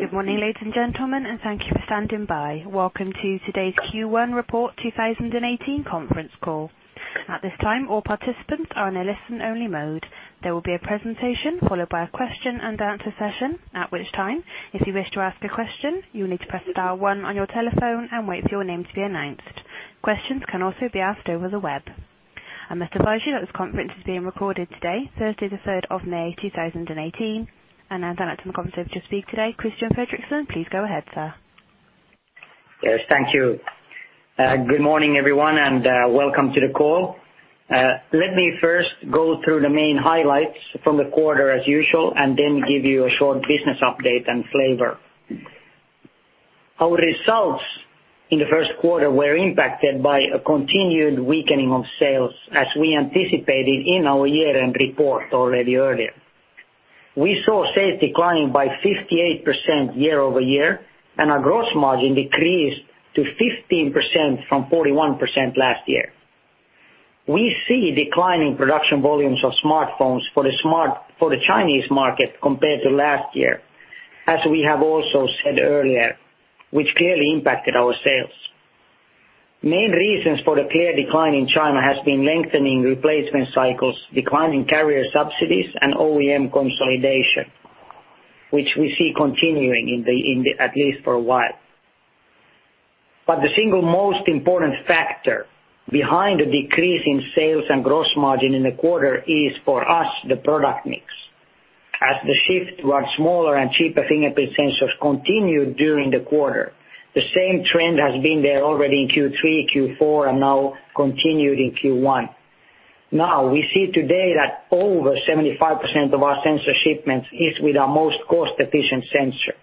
Good morning, ladies and gentlemen, and thank you for standing by. Welcome to today's Q1 Report 2018 conference call. At this time, all participants are in a listen-only mode. There will be a presentation, followed by a question and answer session, at which time, if you wish to ask a question, you'll need to press star one on your telephone and wait for your name to be announced. Questions can also be asked over the web. I must advise you that this conference is being recorded today, Thursday the 3rd of May 2018, and I now hand over to the conference to speak today, Christian Fredrikson. Please go ahead, sir. Yes, thank you. Good morning, everyone, and welcome to the call. Let me first go through the main highlights from the quarter as usual, and then give you a short business update and flavor. Our results in the first quarter were impacted by a continued weakening of sales, as we anticipated in our year-end report already earlier. Our gross margin decreased to 15% from 41% last year. We saw sales declining by 58% year-over-year. We see declining production volumes of smartphones for the Chinese market compared to last year, as we have also said earlier, which clearly impacted our sales. Main reasons for the sheer decline in China has been lengthening replacement cycles, declining carrier subsidies, and OEM consolidation, which we see continuing at least for a while. The single most important factor behind the decrease in sales and gross margin in the quarter is, for us, the product mix. As the shift towards smaller and cheaper fingerprint sensors continued during the quarter. The same trend has been there already in Q3, Q4, and now continued in Q1. We see today that over 75% of our sensor shipments is with our most cost-efficient sensor.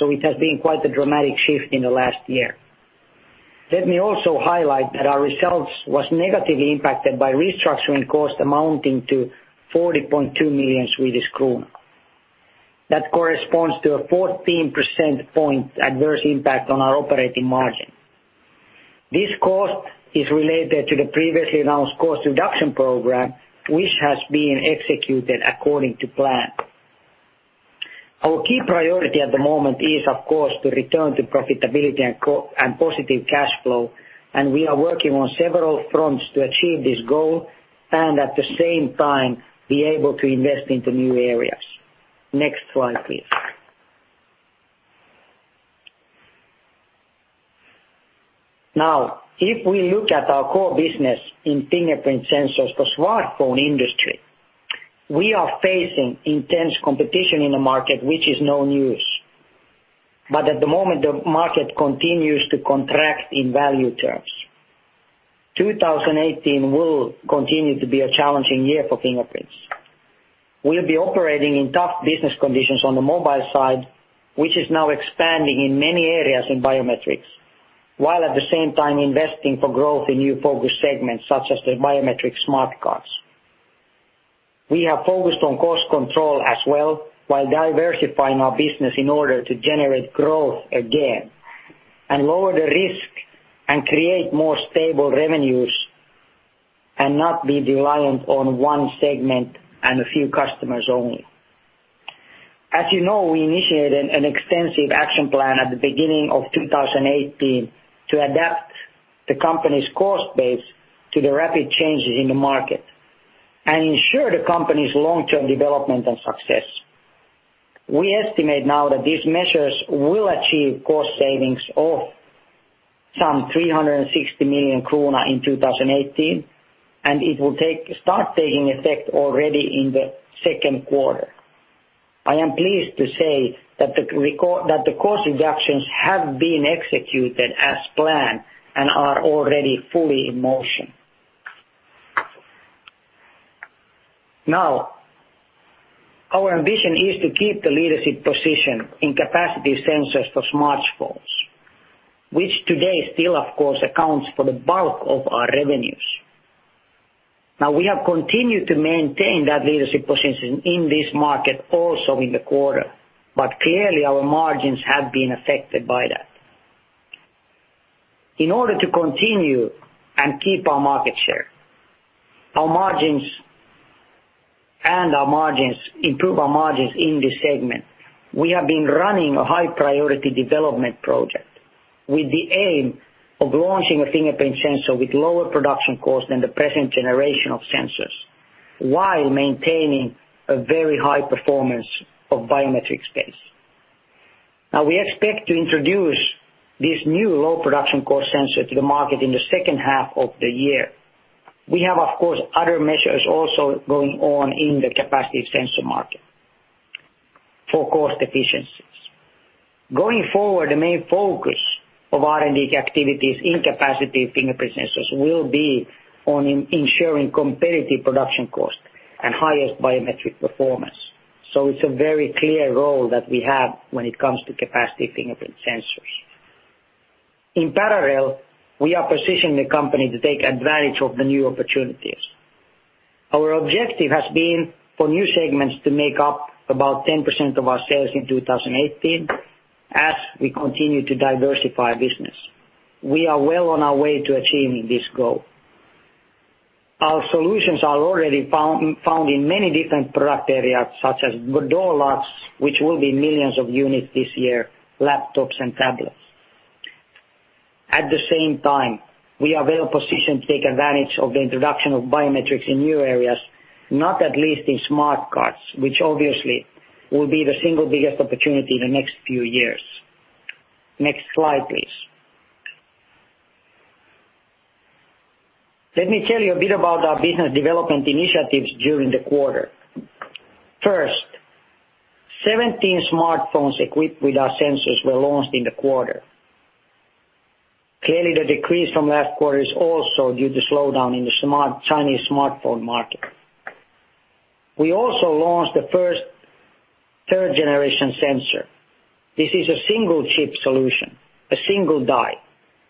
It has been quite a dramatic shift in the last year. Let me also highlight that our results was negatively impacted by restructuring cost amounting to 40.2 million Swedish kronor. That corresponds to a 14 percentage point adverse impact on our operating margin. This cost is related to the previously announced cost reduction program, which has been executed according to plan. Our key priority at the moment is, of course, to return to profitability and positive cash flow. We are working on several fronts to achieve this goal, and at the same time, be able to invest into new areas. Next slide, please. If we look at our core business in fingerprint sensors for smartphone industry, we are facing intense competition in the market, which is no news. 2018 will continue to be a challenging year for Fingerprint Cards. We'll be operating in tough business conditions on the mobile side, which is now expanding in many areas in biometrics, while at the same time investing for growth in new focus segments such as the biometric smart cards. We have focused on cost control as well while diversifying our business in order to generate growth again, lower the risk, and create more stable revenues, and not be reliant on one segment and a few customers only. As you know, we initiated an extensive action plan at the beginning of 2018 to adapt the company's cost base to the rapid changes in the market and ensure the company's long-term development and success. We estimate now that these measures will achieve cost savings of some 360 million kronor in 2018, and it will start taking effect already in the second quarter. I am pleased to say that the cost reductions have been executed as planned and are already fully in motion. Our ambition is to keep the leadership position in capacitive sensors for smartphones, which today still, of course, accounts for the bulk of our revenues. We have continued to maintain that leadership position in this market also in the quarter, clearly, our margins have been affected by that. In order to continue and keep our market share and improve our margins in this segment, we have been running a high-priority development project with the aim of launching a fingerprint sensor with lower production cost than the present generation of sensors, while maintaining a very high performance of biometric space. We expect to introduce this new low production cost sensor to the market in the second half of the year. We have, of course, other measures also going on in the capacitive sensor market for cost efficiencies. Going forward, the main focus of R&D activities in capacitive fingerprint sensors will be on ensuring competitive production cost and highest biometric performance. It's a very clear role that we have when it comes to capacitive fingerprint sensors. In parallel, we are positioning the company to take advantage of the new opportunities. Our objective has been for new segments to make up about 10% of our sales in 2018 as we continue to diversify business. We are well on our way to achieving this goal. Our solutions are already found in many different product areas such as door locks, which will be millions of units this year, laptops and tablets. At the same time, we are well-positioned to take advantage of the introduction of biometrics in new areas, not at least in biometric smart cards, which obviously will be the single biggest opportunity in the next few years. Next slide, please. Let me tell you a bit about our business development initiatives during the quarter. 17 smartphones equipped with our sensors were launched in the quarter. The decrease from last quarter is also due to slowdown in the Chinese smartphone market. We also launched the first third-generation sensor. This is a single chip solution, a single die,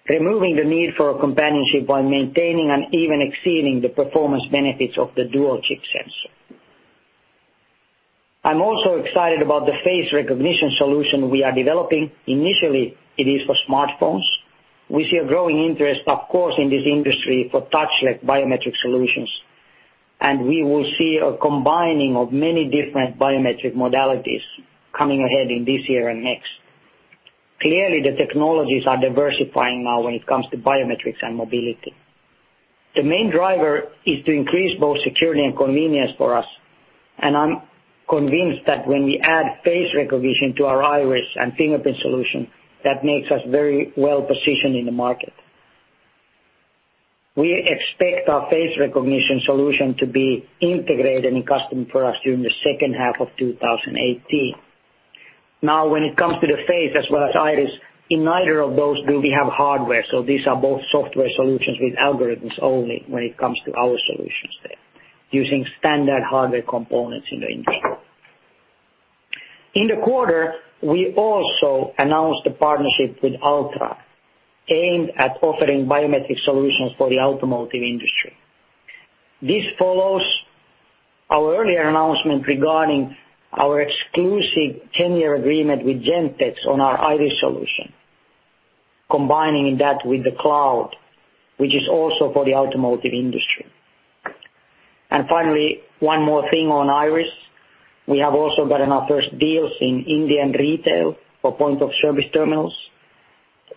removing the need for a companion chip while maintaining and even exceeding the performance benefits of the dual chip sensor. I'm also excited about the face recognition solution we are developing. Initially, it is for smartphones. We see a growing interest, of course, in this industry for touch-less biometric solutions, and we will see a combining of many different biometric modalities coming ahead in this year and next. The technologies are diversifying now when it comes to biometrics and mobility. The main driver is to increase both security and convenience for us. I'm convinced that when we add face recognition to our iris and fingerprint solution, that makes us very well-positioned in the market. We expect our face recognition solution to be integrated in customer products during the second half of 2018. When it comes to the face as well as iris, in neither of those do we have hardware. These are both software solutions with algorithms only when it comes to our solutions there, using standard hardware components in the industry. In the quarter, we also announced a partnership with Ultra aimed at offering biometric solutions for the automotive industry. This follows our earlier announcement regarding our exclusive 10-year agreement with Gentex on our iris solution, combining that with the cloud, which is also for the automotive industry. Finally, one more thing on iris. We have also gotten our first deals in India and retail for point of sale terminals.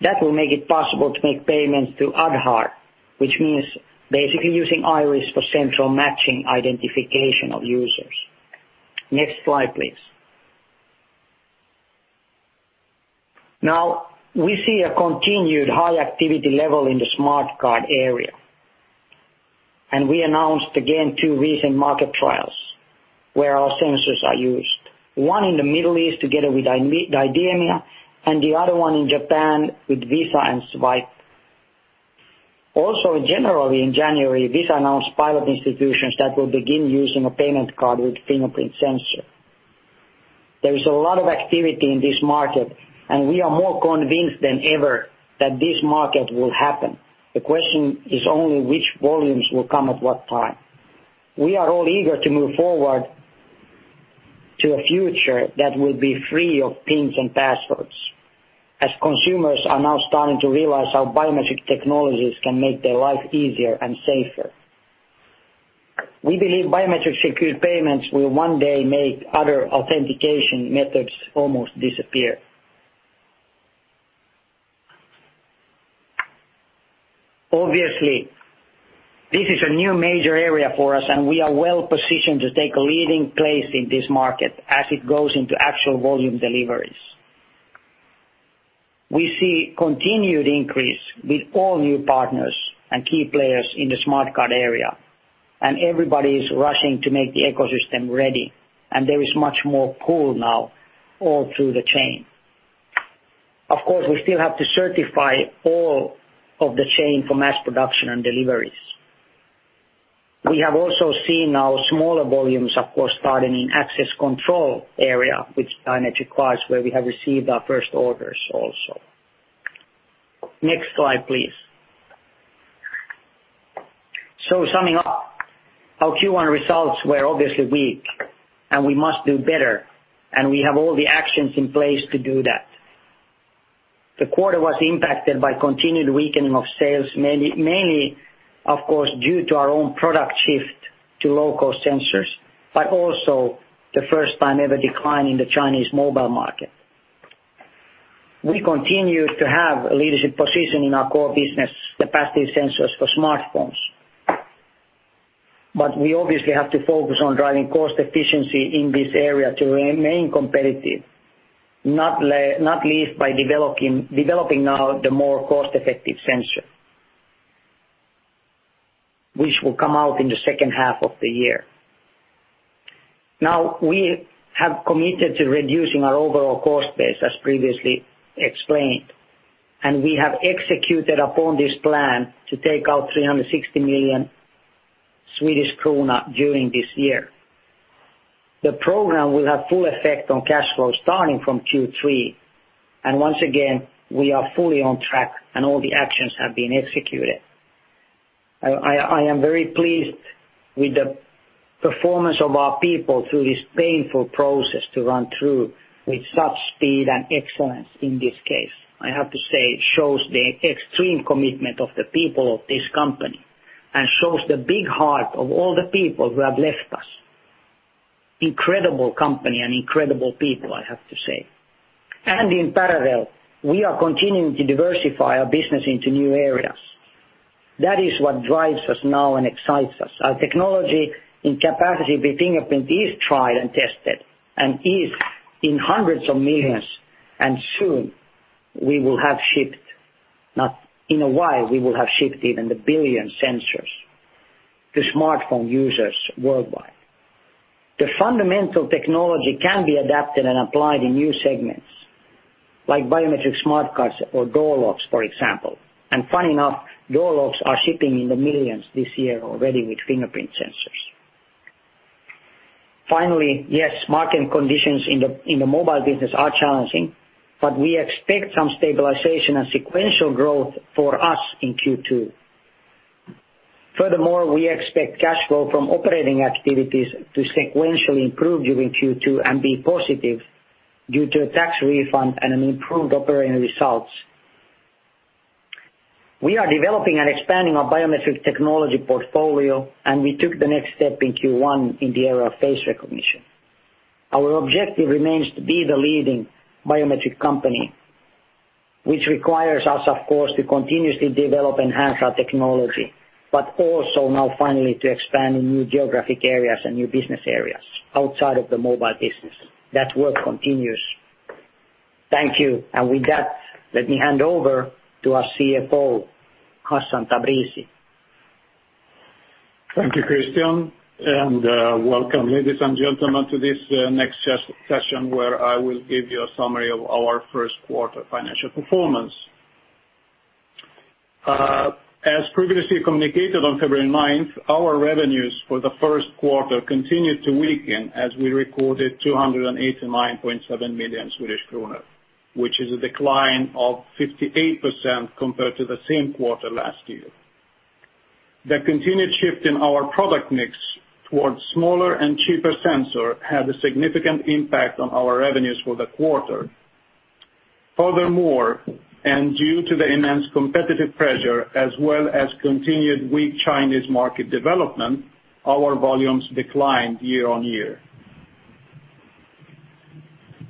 That will make it possible to make payments through Aadhaar, which means basically using iris for central matching identification of users. Next slide, please. We see a continued high activity level in the smart card area. We announced again two recent market trials where our sensors are used. One in the Middle East together with IDEMIA and the other one in Japan with Visa and Zwipe. Generally in January, Visa announced pilot institutions that will begin using a payment card with fingerprint sensor. There is a lot of activity in this market. We are more convinced than ever that this market will happen. The question is only which volumes will come at what time. We are all eager to move forward to a future that will be free of pins and passwords, as consumers are now starting to realize how biometric technologies can make their life easier and safer. We believe biometric secured payments will one day make other authentication methods almost disappear. Obviously, this is a new major area for us. We are well-positioned to take a leading place in this market as it goes into actual volume deliveries. We see continued increase with all new partners and key players in the smart card area. Everybody is rushing to make the ecosystem ready. There is much more pull now all through the chain. We still have to certify all of the chain for mass production and deliveries. We have also seen our smaller volumes, of course, starting in access control area with Fingerprint Cards, where we have received our first orders also. Next slide, please. Summing up, our Q1 results were obviously weak. We must do better. We have all the actions in place to do that. The quarter was impacted by continued weakening of sales, mainly, of course, due to our own product shift to low-cost sensors. Also the first time ever decline in the Chinese mobile market. We continue to have a leadership position in our core business, capacitive sensors for smartphones. We obviously have to focus on driving cost efficiency in this area to remain competitive, not least by developing now the more cost-effective sensor. Which will come out in the second half of the year. Now, we have committed to reducing our overall cost base as previously explained, we have executed upon this plan to take out 360 million Swedish krona during this year. The program will have full effect on cash flow starting from Q3, and once again, we are fully on track and all the actions have been executed. I am very pleased with the performance of our people through this painful process to run through with such speed and excellence in this case, I have to say, it shows the extreme commitment of the people of this company and shows the big heart of all the people who have left us. Incredible company and incredible people, I have to say. In parallel, we are continuing to diversify our business into new areas. That is what drives us now and excites us. Our technology in capacitive with fingerprint is tried and tested and is in hundreds of millions, and soon we will have shipped, in a while, we will have shipped even a billion sensors to smartphone users worldwide. The fundamental technology can be adapted and applied in new segments like biometric smart cards or door locks, for example. Funny enough, door locks are shipping in the millions this year already with fingerprint sensors. Finally, yes, market conditions in the mobile business are challenging, but we expect some stabilization and sequential growth for us in Q2. Furthermore, we expect cash flow from operating activities to sequentially improve during Q2 and be positive due to a tax refund and improved operating results. We are developing and expanding our biometric technology portfolio, and we took the next step in Q1 in the area of face recognition. Our objective remains to be the leading biometric company, which requires us, of course, to continuously develop and enhance our technology, but also now finally to expand in new geographic areas and new business areas outside of the mobile business. That work continues. Thank you. With that, let me hand over to our CFO, Hassan Tabrizi. Thank you, Christian, and welcome, ladies and gentlemen, to this next session where I will give you a summary of our first quarter financial performance. As previously communicated on February 9th, our revenues for the first quarter continued to weaken as we recorded 289.7 million Swedish kronor, which is a decline of 58% compared to the same quarter last year. The continued shift in our product mix towards smaller and cheaper sensors had a significant impact on our revenues for the quarter. Furthermore, due to the enhanced competitive pressure as well as continued weak Chinese market development, our volumes declined year-on-year.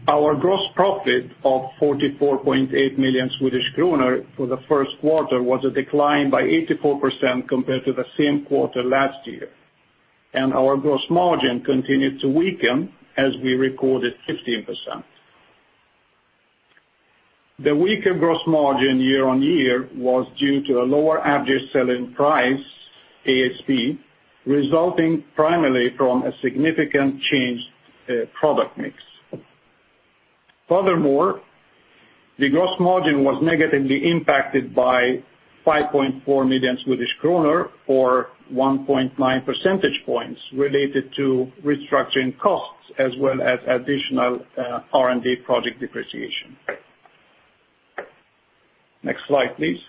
Our gross profit of 44.8 million Swedish kronor for the first quarter was a decline by 84% compared to the same quarter last year. Our gross margin continued to weaken as we recorded 15%. The weaker gross margin year on year was due to a lower average selling price, ASP, resulting primarily from a significant change product mix. Furthermore, the gross margin was negatively impacted by 5.4 million Swedish kronor, or 1.9 percentage points related to restructuring costs as well as additional R&D project depreciation. Next slide, please.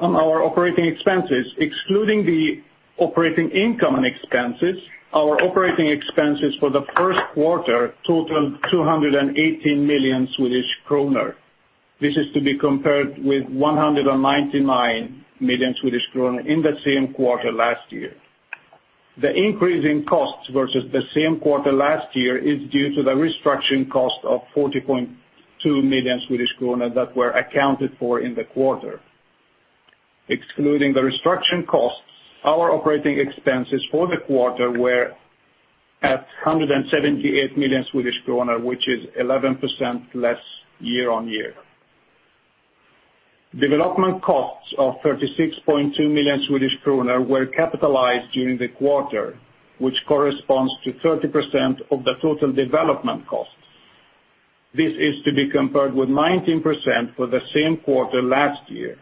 On our operating expenses, excluding the operating income and expenses, our operating expenses for the first quarter totaled 218 million Swedish kronor. This is to be compared with 199 million Swedish kronor in the same quarter last year. The increase in costs versus the same quarter last year is due to the restructuring cost of 40.2 million Swedish kronor that were accounted for in the quarter. Excluding the restructuring costs, our operating expenses for the quarter were at 178 million Swedish kronor, which is 11% less year on year. Development costs of 36.2 million Swedish kronor were capitalized during the quarter, which corresponds to 30% of the total development costs. This is to be compared with 19% for the same quarter last year.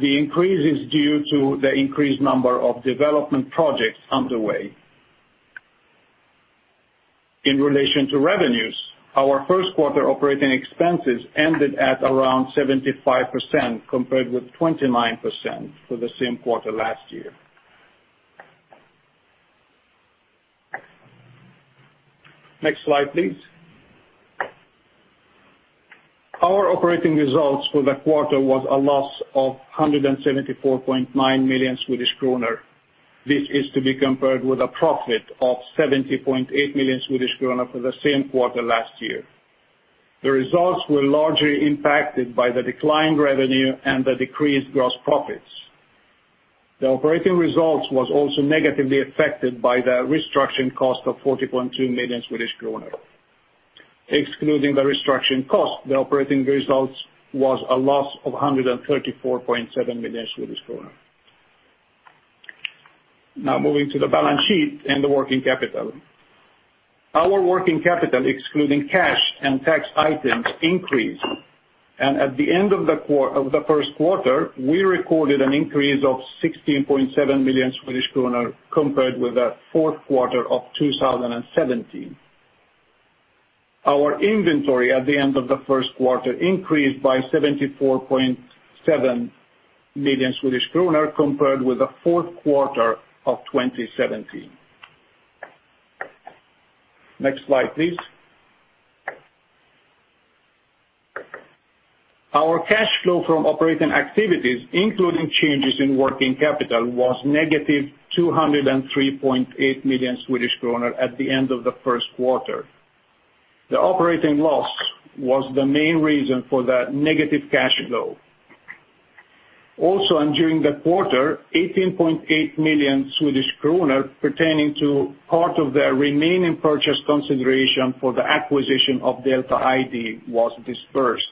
The increase is due to the increased number of development projects underway. In relation to revenues, our first quarter operating expenses ended at around 75%, compared with 29% for the same quarter last year. Next slide, please. Our operating results for the quarter was a loss of 174.9 million Swedish kronor. This is to be compared with a profit of 70.8 million Swedish kronor for the same quarter last year. The results were largely impacted by the declined revenue and the decreased gross profits. The operating results was also negatively affected by the restructuring cost of 40.2 million Swedish kronor. Excluding the restructuring cost, the operating results was a loss of 134.7 million Swedish kronor. Moving to the balance sheet and the working capital. Our working capital, excluding cash and tax items, increased. At the end of the first quarter, we recorded an increase of 16.7 million Swedish kronor compared with the fourth quarter of 2017. Our inventory at the end of the first quarter increased by 74.7 million Swedish kronor compared with the fourth quarter of 2017. Next slide, please. Our cash flow from operating activities, including changes in working capital, was negative 203.8 million Swedish kronor at the end of the first quarter. The operating loss was the main reason for that negative cash flow. Also, during the quarter, 18.8 million Swedish kronor pertaining to part of the remaining purchase consideration for the acquisition of Delta ID was disbursed.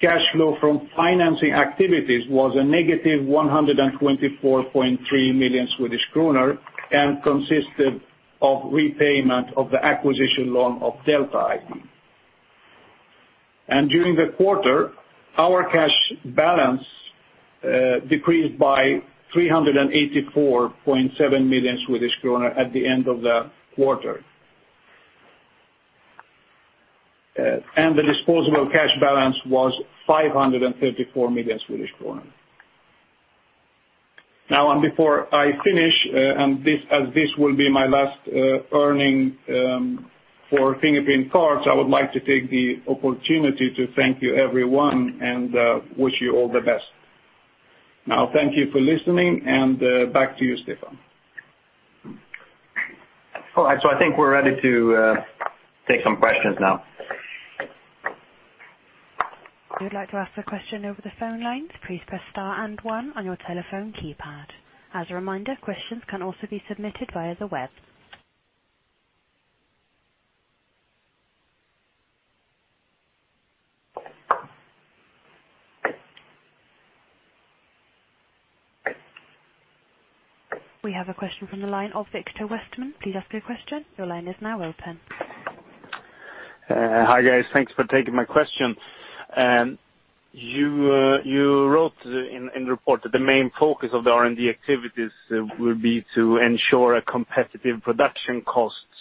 Cash flow from financing activities was a negative 124.3 million Swedish kronor and consisted of repayment of the acquisition loan of Delta ID. During the quarter, our cash balance decreased by 384.7 million Swedish kronor at the end of the quarter. The disposable cash balance was 534 million Swedish kronor. Before I finish, as this will be my last earning for Fingerprint Cards, I would like to take the opportunity to thank everyone and wish you all the best. Thank you for listening, and back to you, Stefan. All right. I think we're ready to take some questions now. If you'd like to ask a question over the phone lines, please press star and one on your telephone keypad. As a reminder, questions can also be submitted via the web. We have a question from the line of Victor Westerman. Please ask your question. Your line is now open. Hi, guys. Thanks for taking my question. You wrote in the report that the main focus of the R&D activities will be to ensure competitive production costs.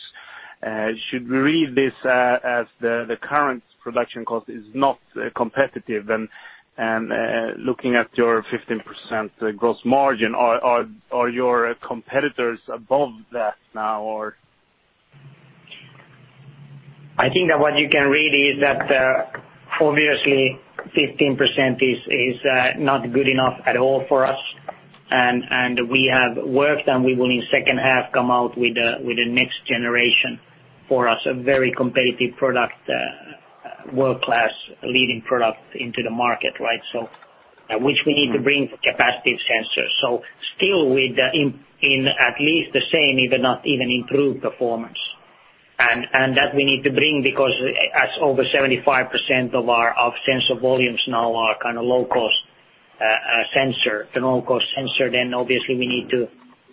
Should we read this as the current production cost is not competitive? Looking at your 15% gross margin, are your competitors above that now or? I think that what you can read is that obviously 15% is not good enough at all for us. We have worked, and we will in the second half come out with the next generation for us, a very competitive product, world-class leading product into the market, right? Which we need to bring capacitive sensors, still with in at least the same, if not even improved performance. That we need to bring because as over 75% of sensor volumes now are kind of low-cost sensor,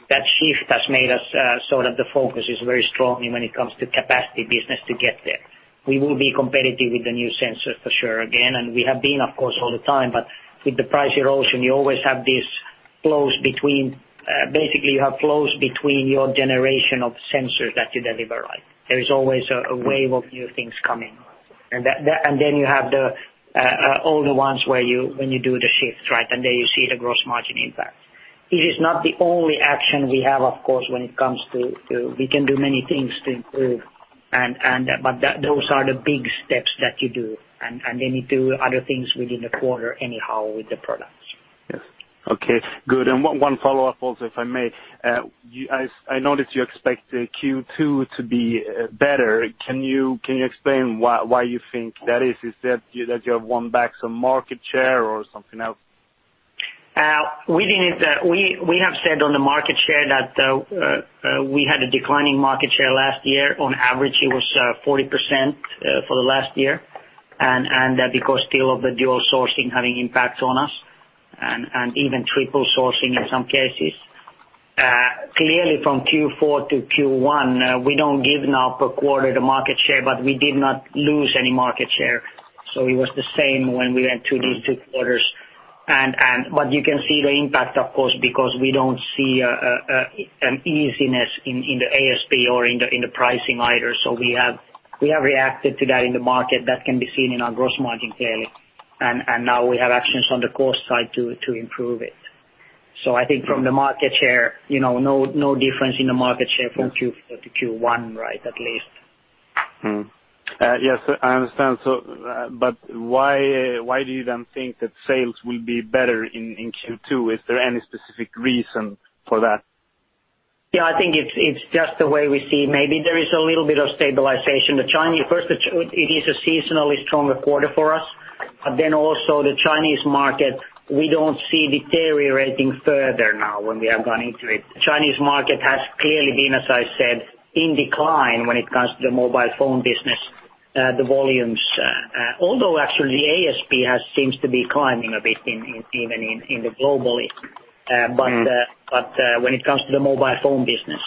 that shift has made us so that the focus is very strongly when it comes to capacitive business to get there. We will be competitive with the new sensors for sure again. We have been of course all the time, but with the price erosion, you always have close between your generation of sensors that you deliver, right? There is always a wave of new things coming. Then you have the older ones when you do the shift, right? There you see the gross margin impact. It is not the only action we have, of course. We can do many things to improve, but those are the big steps that you do. Then you do other things within the quarter anyhow with the products. Yes. Okay, good. One follow-up also, if I may. I noticed you expect Q2 to be better. Can you explain why you think that is? Is that you have won back some market share or something else? We have said on the market share that we had a declining market share last year. On average, it was 40% for the last year. Because still of the dual sourcing having impact on us and even triple sourcing in some cases. Clearly from Q4 to Q1, we don't give now per quarter the market share. We did not lose any market share. It was the same when we went through these two quarters. You can see the impact, of course, because we don't see an easiness in the ASP or in the pricing either. We have reacted to that in the market that can be seen in our gross margin clearly. Now we have actions on the cost side to improve it. I think from the market share, no difference in the market share from Q4 to Q1, right, at least. Yes, I understand. Why do you then think that sales will be better in Q2? Is there any specific reason for that? Yeah, I think it's just the way we see. Maybe there is a little bit of stabilization. First, it is a seasonally stronger quarter for us. Also the Chinese market, we don't see deteriorating further now when we have gone into it. Chinese market has clearly been, as I said, in decline when it comes to the mobile phone business, the volumes. Although actually the ASP seems to be climbing a bit even globally, but when it comes to the mobile phone business.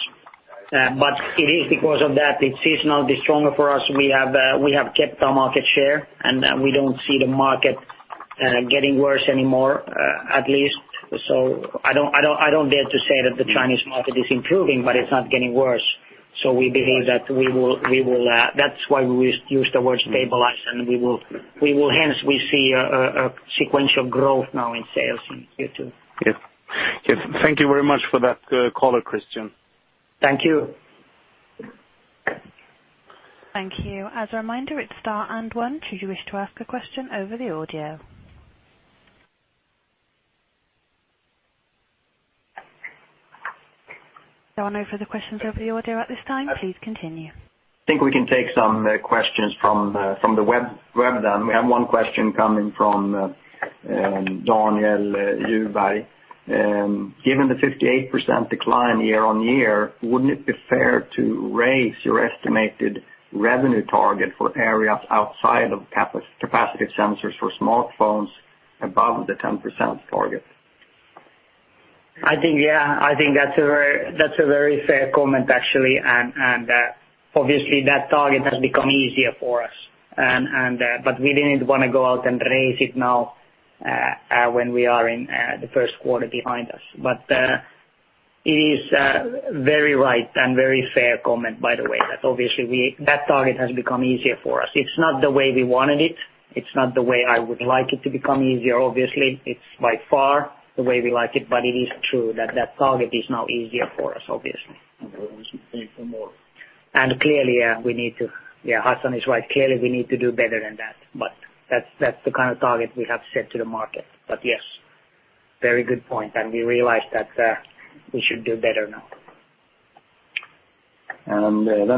It is because of that, it's seasonally stronger for us. We have kept our market share, and we don't see the market getting worse anymore at least. I don't dare to say that the Chinese market is improving, but it's not getting worse. We believe that's why we use the word stabilize, and we will hence see a sequential growth now in sales in Q2. Yes. Thank you very much for that caller, Christian. Thank you. Thank you. As a reminder, it's star and one should you wish to ask a question over the audio. There are no further questions over the audio at this time. Please continue. I think we can take some questions from the web then. We have one question coming from Daniel Djurberg. Given the 58% decline year-on-year, wouldn't it be fair to raise your estimated revenue target for areas outside of capacitive sensors for smartphones above the 10% target? I think, yeah. I think that's a very fair comment, actually. Obviously, that target has become easier for us. We didn't want to go out and raise it now when we are in the first quarter behind us. It is very right and very fair comment, by the way, that obviously that target has become easier for us. It's not the way we wanted it. It's not the way I would like it to become easier obviously. It's by far the way we like it, but it is true that that target is now easier for us, obviously. Okay. Thank you, more. Clearly, we need to, Hassan is right. Clearly, we need to do better than that. That's the kind of target we have set to the market. Yes, very good point, and we realize that we should do better now.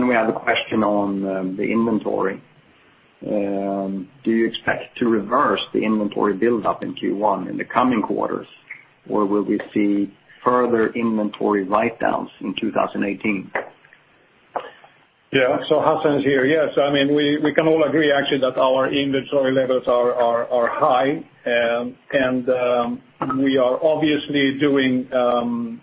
We have a question on the inventory. Do you expect to reverse the inventory buildup in Q1 in the coming quarters, or will we see further inventory write-downs in 2018? Hassan here. We can all agree actually that our inventory levels are high, and we are obviously doing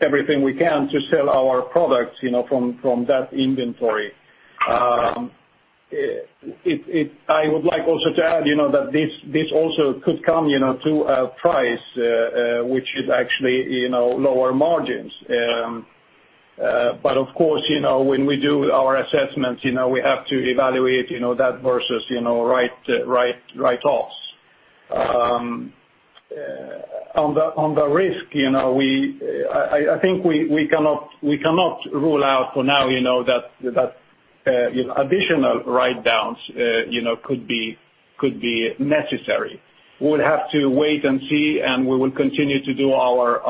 everything we can to sell our products from that inventory. I would like also to add that this also could come to a price, which is actually lower margins. Of course, when we do our assessments, we have to evaluate that versus write-offs. On the risk, I think we cannot rule out for now that additional write-downs could be necessary. We would have to wait and see, and we will continue to do our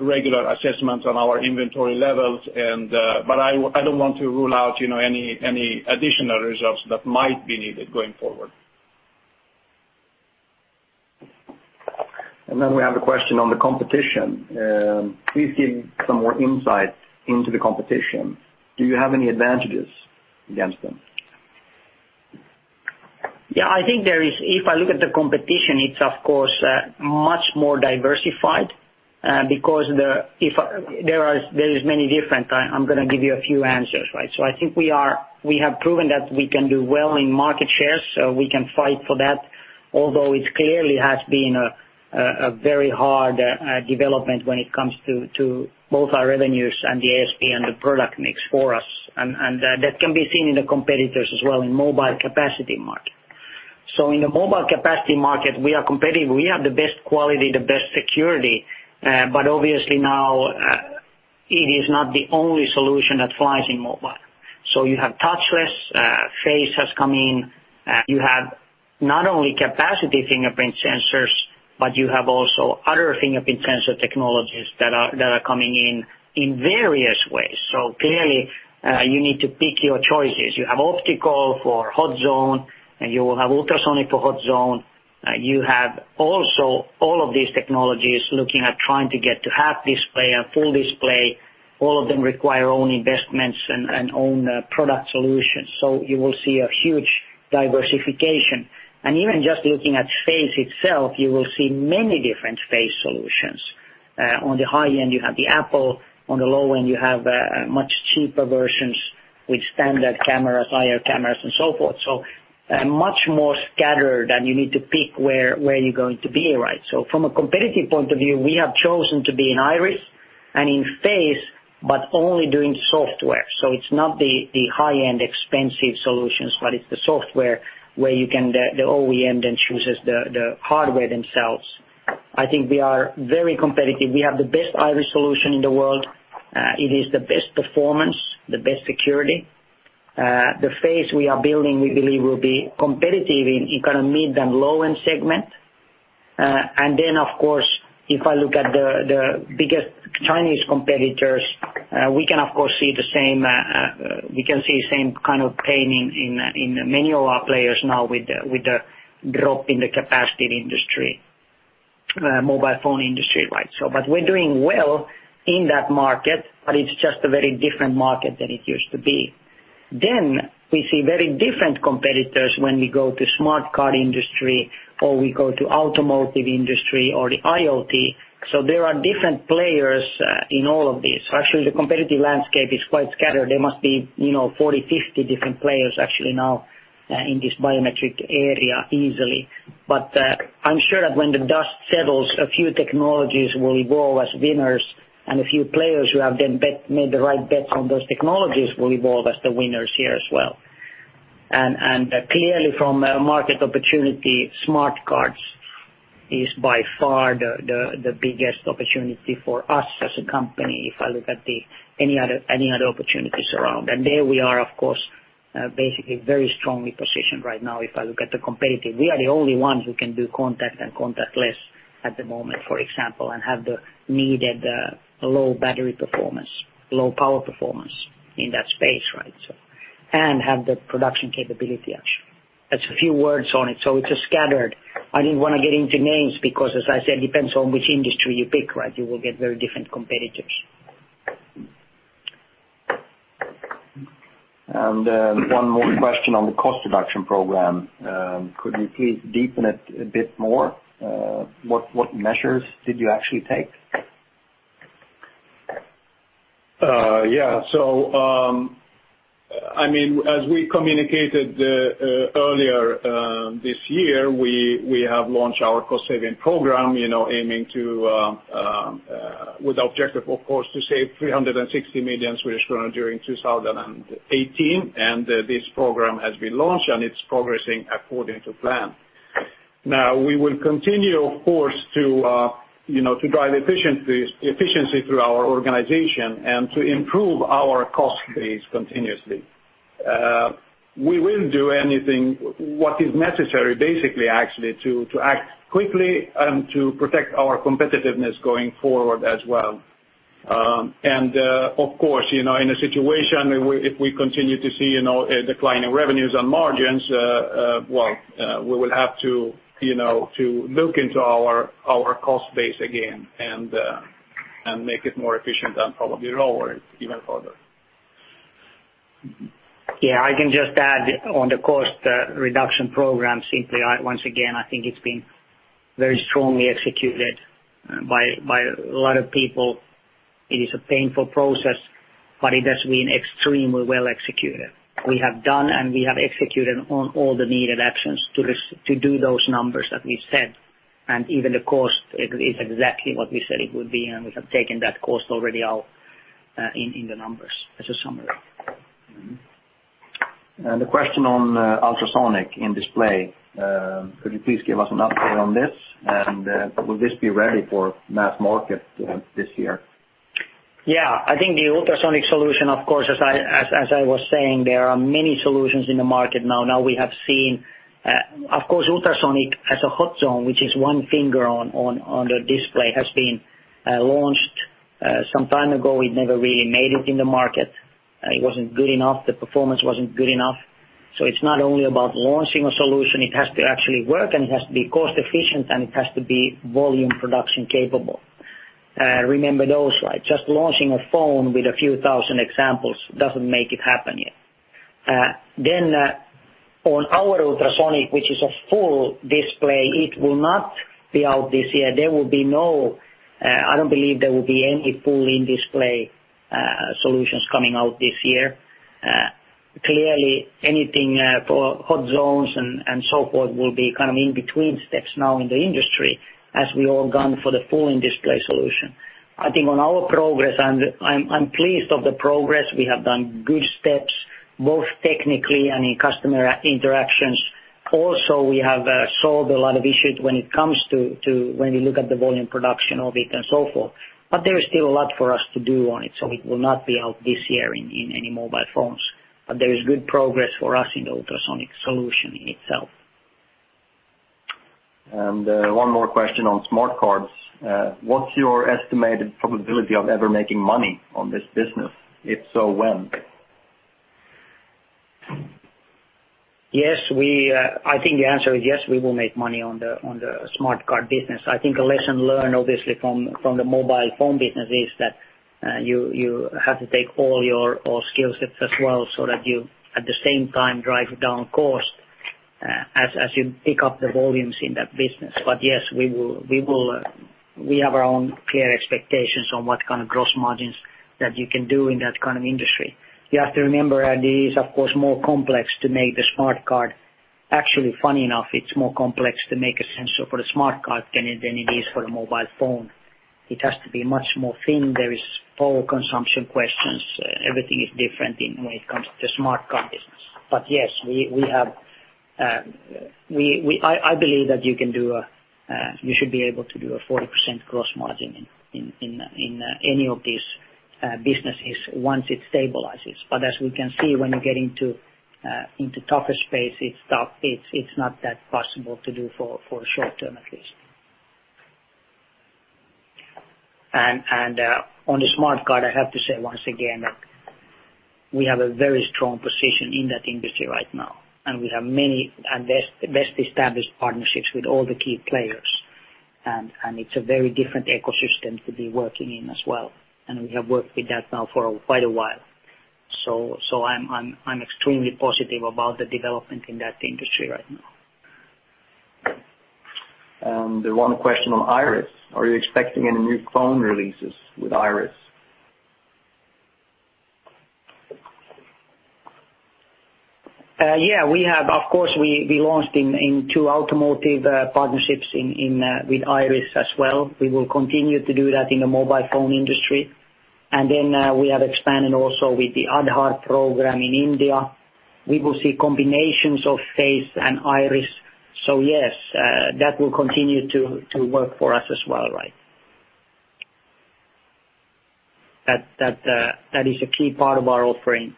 regular assessments on our inventory levels. I don't want to rule out any additional results that might be needed going forward. We have a question on the competition. Please give some more insight into the competition. Do you have any advantages against them? I think there is. If I look at the competition, it is of course, much more diversified. There are many different. I am going to give you a few answers, right? I think we have proven that we can do well in market shares, so we can fight for that. Although it clearly has been a very hard development when it comes to both our revenues and the ASP and the product mix for us. That can be seen in the competitors as well in mobile capacitive market. In the mobile capacitive market, we are competitive. We have the best quality, the best security. Obviously now, it is not the only solution that flies in mobile. You have touchless, face has come in. You have not only capacitive fingerprint sensors, but you have also other fingerprint sensor technologies that are coming in in various ways. Clearly, you need to pick your choices. You have optical for hot zone, and you will have ultrasonic for hot zone. You have also all of these technologies looking at trying to get to half display or full display. All of them require own investments and own product solutions, so you will see a huge diversification. Even just looking at face itself, you will see many different face solutions. On the high end, you have the Apple, on the low end you have much cheaper versions with standard cameras, IR cameras and so forth. Much more scattered, and you need to pick where you are going to be, right? From a competitive point of view, we have chosen to be in iris and in face, but only doing software. It is not the high-end expensive solutions, but it is the software where the OEM then chooses the hardware themselves. I think we are very competitive. We have the best iris solution in the world. It is the best performance, the best security. The face we are building, we believe will be competitive in kind of mid and low-end segment. Of course, if I look at the biggest Chinese competitors, we can see same kind of pain in many of our players now with the drop in the capacitive industry, mobile phone industry, right? But we are doing well in that market, but it is just a very different market than it used to be. We see very different competitors when we go to smart card industry or we go to automotive industry or the IoT. There are different players in all of these. Actually, the competitive landscape is quite scattered. There must be 40, 50 different players actually now in this biometric area easily. I'm sure that when the dust settles, a few technologies will evolve as winners and a few players who have then made the right bets on those technologies will evolve as the winners here as well. Clearly from a market opportunity, biometric smart cards is by far the biggest opportunity for us as a company, if I look at any other opportunities around. There we are, of course, basically very strongly positioned right now, if I look at the competitive. We are the only ones who can do contact and contactless at the moment, for example, and have the needed low battery performance, low power performance in that space, right? Have the production capability actually. That's a few words on it, so it's scattered. I didn't want to get into names because, as I said, depends on which industry you pick, right? You will get very different competitors. One more question on the cost reduction program. Could you please deepen it a bit more? What measures did you actually take? Yeah. As we communicated earlier this year, we have launched our cost-saving program, with the objective, of course, to save 360 million Swedish kronor during 2018. This program has been launched, and it's progressing according to plan. We will continue, of course, to drive efficiency through our organization and to improve our cost base continuously. We will do anything what is necessary, basically, actually, to act quickly and to protect our competitiveness going forward as well. Of course, in a situation, if we continue to see declining revenues and margins, well, we will have to look into our cost base again and make it more efficient and probably lower it even further. I can just add on the cost reduction program, simply, once again, I think it's been very strongly executed by a lot of people. It is a painful process, but it has been extremely well executed. We have done, and we have executed on all the needed actions to do those numbers that we've said. Even the cost is exactly what we said it would be, and we have taken that cost already out in the numbers as a summary. The question on ultrasonic in-display, could you please give us an update on this, and will this be ready for mass market this year? Yeah. I think the ultrasonic solution, of course, as I was saying, there are many solutions in the market now. Now we have seen, of course, ultrasonic as a hot zone, which is one finger on the display, has been launched some time ago. It never really made it in the market. It wasn't good enough. The performance wasn't good enough. It's not only about launching a solution, it has to actually work, and it has to be cost efficient, and it has to be volume production capable. Remember those slides. Just launching a phone with a few thousand examples doesn't make it happen yet. On our ultrasonic, which is a full display, it will not be out this year. I don't believe there will be any full in-display solutions coming out this year. Clearly, anything for hot zones and so forth will be kind of in between steps now in the industry as we all gun for the full in-display solution. I think on our progress, I'm pleased of the progress. We have done good steps, both technically and in customer interactions. Also, we have solved a lot of issues when it comes to when you look at the volume production of it and so forth. There is still a lot for us to do on it, so it will not be out this year in any mobile phones. There is good progress for us in the ultrasonic solution itself. One more question on smart cards. What's your estimated probability of ever making money on this business? If so, when? I think the answer is yes, we will make money on the smart card business. I think a lesson learned, obviously, from the mobile phone business is that you have to take all your skill sets as well so that you, at the same time, drive down cost as you pick up the volumes in that business. Yes, we have our own clear expectations on what kind of gross margins that you can do in that kind of industry. You have to remember, it is, of course, more complex to make the smart card. Actually, funny enough, it's more complex to make a sensor for a smart card than it is for a mobile phone. It has to be much more thin. There is power consumption questions. Everything is different when it comes to smart card business. Yes, I believe that you should be able to do a 40% gross margin in any of these businesses once it stabilizes. As we can see, when you get into tougher space, it's not that possible to do for short term at least. On the smart card, I have to say, once again, that we have a very strong position in that industry right now, and we have many and best established partnerships with all the key players. It's a very different ecosystem to be working in as well, and we have worked with that now for quite a while. I'm extremely positive about the development in that industry right now. One question on Iris. Are you expecting any new phone releases with Iris? Of course, we launched in two automotive partnerships with iris as well. We will continue to do that in the mobile phone industry. We have expanded also with the Aadhaar program in India. We will see combinations of face and iris. Yes, that will continue to work for us as well. That is a key part of our offering.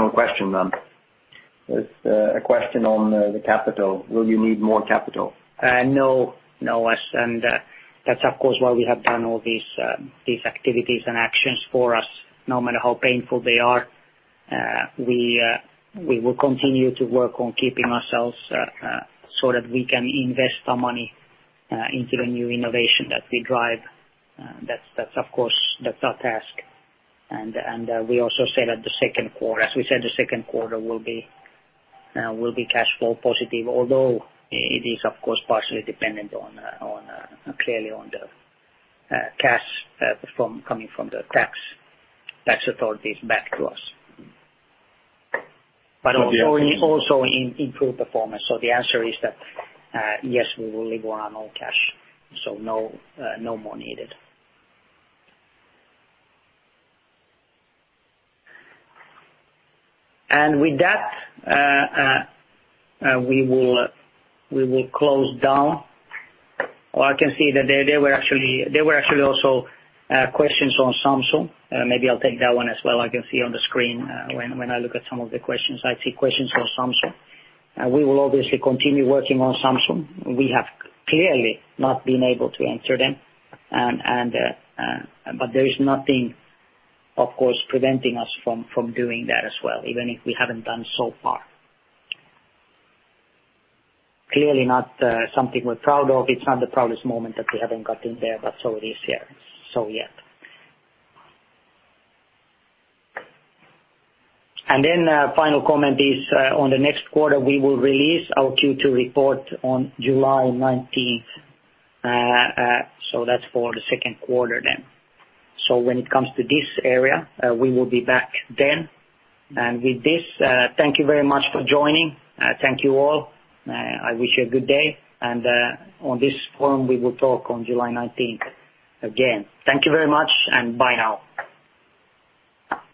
One final question then. It's a question on the capital. Will you need more capital? No. That's, of course, why we have done all these activities and actions for us, no matter how painful they are. We will continue to work on keeping ourselves, so that we can invest some money into the new innovation that we drive. That's our task. We also said the second quarter will be cash flow positive, although it is, of course, partially dependent clearly on the cash coming from the tax authorities back to us. Also in improved performance. The answer is that, yes, we will live on our own cash, so no more needed. With that, we will close down. I can see that there were actually also questions on Samsung. Maybe I'll take that one as well. I can see on the screen when I look at some of the questions, I see questions on Samsung. We will obviously continue working on Samsung. We have clearly not been able to answer them. There is nothing, of course, preventing us from doing that as well, even if we haven't done so far. Clearly not something we're proud of. It's not the proudest moment that we haven't gotten there, but so it is here. Yeah. Final comment is, on the next quarter, we will release our Q2 report on July 19th. That's for the second quarter then. When it comes to this area, we will be back then. With this, thank you very much for joining. Thank you all. I wish you a good day, and, on this forum, we will talk on July 19th again. Thank you very much, bye now.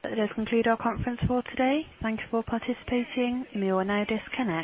That does conclude our conference for today. Thank you for participating. You may now disconnect.